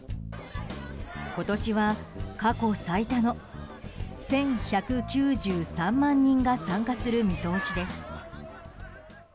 今年は過去最多の１１９３万人が参加する見通しです。